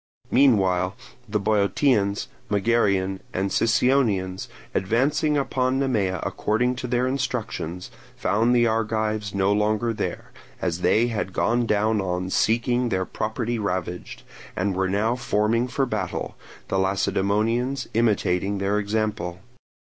Meanwhile the Boeotians, Megarians, and Sicyonians, advancing upon Nemea according to their instructions, found the Argives no longer there, as they had gone down on seeing their property ravaged, and were now forming for battle, the Lacedaemonians imitating their example.